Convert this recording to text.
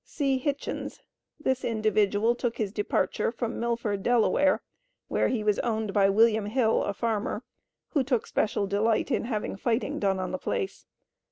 C. Hitchens. This individual took his departure from Milford, Del., where he was owned by Wm. Hill, a farmer, who took special delight in having "fighting done on the place."